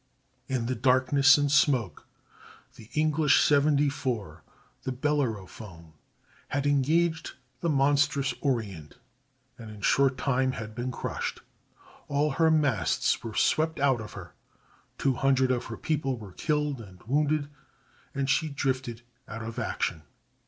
In the darkness and smoke an English seventy four, the Bellerophon, had engaged the monstrous Orient, and in a short time had been crushed; all her masts were swept out of her, two hundred of her people were killed and wounded, and she drifted out of action.